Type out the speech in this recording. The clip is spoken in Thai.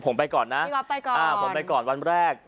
ผมไปก่อนนะผมไปก่อนวันแรก